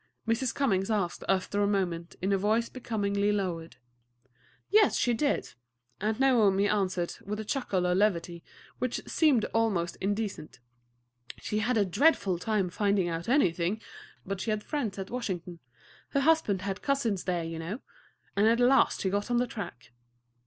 Mrs. Cummings asked after a moment, in a voice becomingly lowered. "Yes, she did," Aunt Naomi answered, with a chuckle of levity which seemed almost indecent. "She had a dreadful time finding out anything; but she had friends at Washington her husband had cousins there, you know and at last she got on the track."